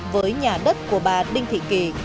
với nhà đất của bà đinh thị kỳ